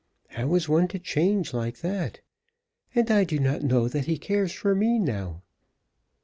"How is one to change like that? And I do not know that he cares for me now."